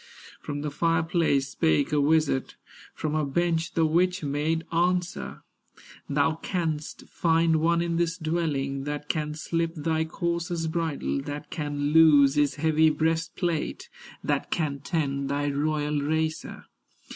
From the fire place spake a wizard, From her bench the witch made answer: "Thou canst find one in this dwelling, That can slip thy courser's bridle, That can loose his heavy breastplate, That can tend thy royal racer.